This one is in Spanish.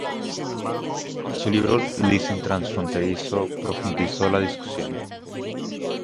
Con su libro "Leasing transfronterizo" profundizó la discusión.